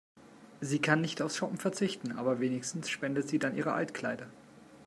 Sie kann nicht aufs Shoppen verzichten, aber wenigstens spendet sie dann ihre Altkleider.